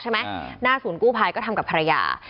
หน้าศูนย์กู้ภัยก็ทำกับภรรยา